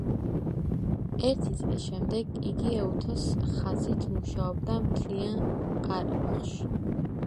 ერთი წლის შემდეგ იგი ეუთოს ხაზით მუშაობდა მთიან ყარაბაღში.